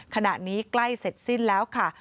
ขณะนี้ใกล้เสร็จสิ้นแล้วค่ะ